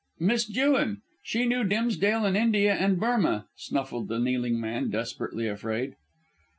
"Miss Jewin. She knew Dimsdale in India and Burmah," snuffled the kneeling man, desperately afraid.